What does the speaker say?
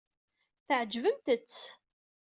Tɛejbemt-tt!